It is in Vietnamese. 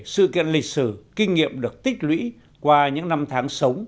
sự kiện lịch sử kinh nghiệm được tích lũy qua những năm tháng sống